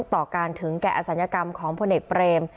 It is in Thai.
ต่อการถึงแก่อศัลยกรรมของพลเอกเปรม